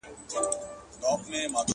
ماته به نه وایې چي تم سه، اختیار نه لرمه.!